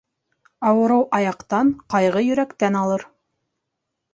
Ауырыу аяҡтан, ҡайғы йөрәктән алыр.